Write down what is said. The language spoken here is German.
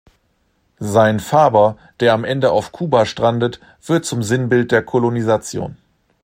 Sein Faber, der am Ende auf Kuba strandet, wird zum Sinnbild der Kolonisation.